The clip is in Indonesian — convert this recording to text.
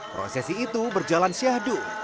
prosesi itu berjalan syahdu